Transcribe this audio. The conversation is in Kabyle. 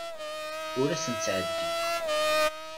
Ur asent-ttɛeddiɣ.